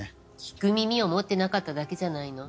聞く耳を持ってなかっただけじゃないの？